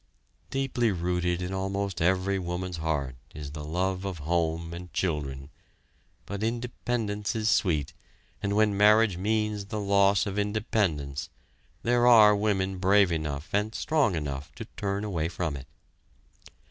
Deeply rooted in almost every woman's heart is the love of home and children; but independence is sweet and when marriage means the loss of independence, there are women brave enough and strong enough to turn away from it.